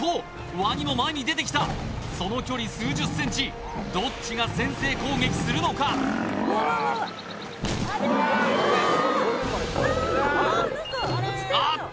ワニも前に出てきたその距離数十ｃｍどっちが先制攻撃するのかあっと